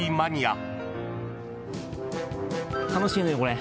楽しいのよこれ。